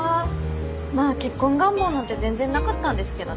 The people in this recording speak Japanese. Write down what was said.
まあ結婚願望なんて全然なかったんですけどね。